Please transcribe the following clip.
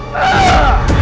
saya akan keluar